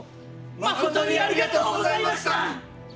まことにありがとうございました！